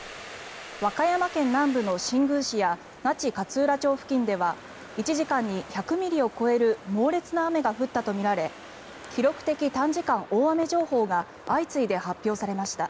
和歌山県南部の新宮市や那智勝浦町付近では１時間に１００ミリを超える猛烈な雨が降ったとみられ記録的短時間大雨情報が相次いで発表されました。